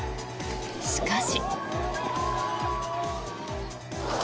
しかし。